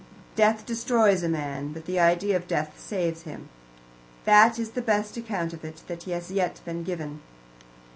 Death destroys a man, but the idea of death saves him that is the best account of it that has yet been given.